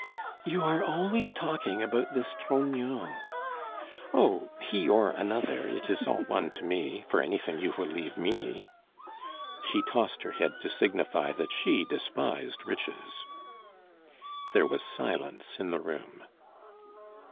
"You are always talking about this Trognon " "Oh! he or another, it is all one to me, for anything you will leave me." She tossed her head to signify that she despised riches. There was silence in the room.